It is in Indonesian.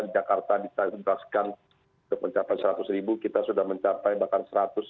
di jakarta kita berdasarkan mencapai seratus ribu kita sudah mencapai bahkan satu ratus tiga puluh lima